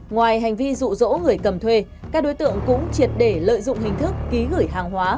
ngoài hành vi rụ rỗ người cầm thuê các đối tượng cũng triệt để lợi dụng hình thức ký gửi hàng hóa